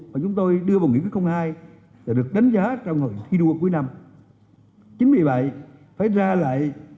mà chúng tôi đưa vào nghị quyết hai và được đánh giá trong thi đua cuối năm chính vì vậy phải ra lại